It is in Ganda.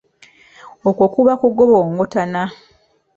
Okwo kuba kugobongotana.